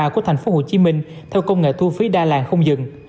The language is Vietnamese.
của tp hcm theo công nghệ thu phí đa làng không dừng